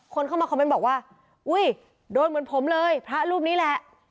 คนเข้ามาคอมเมนต์บอกว่าอุ้ยโดนเหมือนผมเลยพระรูปนี้แหละ